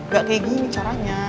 gak kayak gini caranya